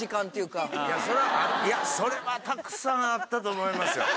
そりゃいやそれはたくさんあったと思いますよ。